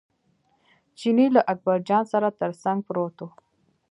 چیني له اکبرجان سره تر څنګ پروت و.